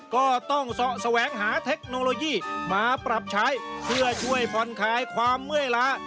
ก็ต้องแสวงหาเทคโนโลยีมาปรับใช้เพื่อช่วยผ่อนคลายความเมื่อยล้า